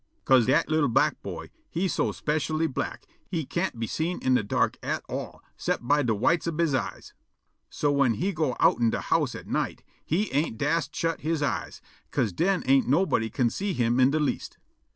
'Ca'se dat li'l' black boy he so specially black he can't be seen in de dark at all 'cept by de whites ob he eyes. So whin he go' outen de house at night, he ain't dast shut he eyes, 'ca'se den ain't nobody can see him in de least.